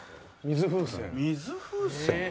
水風船？